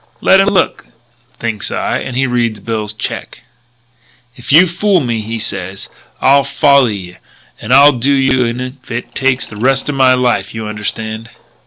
'Let him look,' thinks I; and he reads Bill's check. "'If you fool me,' says he, 'I'll folly ye and I'll do you in if it takes the rest of my life. You understand?'